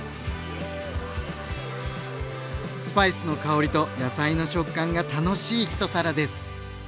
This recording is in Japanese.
スパイスの香りと野菜の食感が楽しい一皿です！